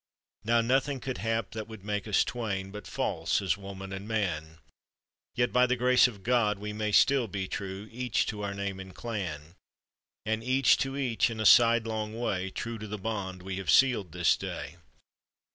"Now nothing could hap that would make us twain But false as woman and man, Yet by grace of God we may still be true Each to our name and clan, And each to each in a sidelong way True to the bond we have sealed this day.